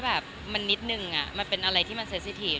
แบบมีประเด็นอะไรออกไป